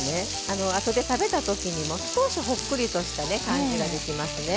あとで食べた時にも少しほっくりとしたね感じができますね。